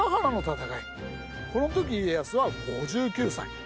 この時家康は５９歳。